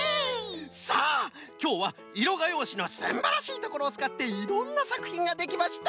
さあきょうはいろがようしのすんばらしいところをつかっていろんなさくひんができました。